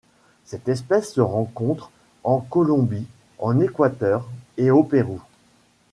Cette espèce se rencontre en Colombie, en Équateur et au Pérou.